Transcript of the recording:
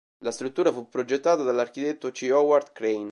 La struttura fu progettata dall'architetto C. Howard Crane.